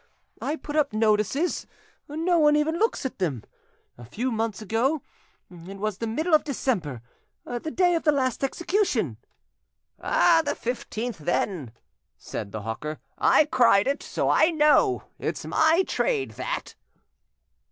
I put up notices—no one even looks at them! A few months ago—it was the middle of December, the day of the last execution—" "The 15th, then," said the hawker. "I cried it, so I know; it's my trade, that."